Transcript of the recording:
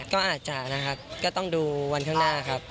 ก็อาจจะนะครับก็ต้องดูวันข้างหน้าครับ